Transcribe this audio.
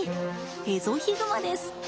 エゾヒグマです。